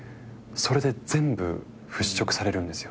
それで全部払拭されるんですよ。